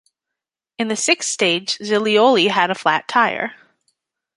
In the sixth stage, Zilioli had a flat tire.